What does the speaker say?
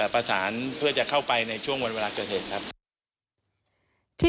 ประสานเพื่อจะเข้าไปช่วงวันเวลาเกิดเนิด